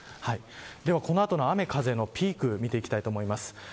では、この後の雨風のピーク見ていきたいと思います。